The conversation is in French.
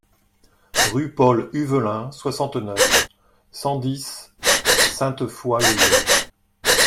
Rue Paul Huvelin, soixante-neuf, cent dix Sainte-Foy-lès-Lyon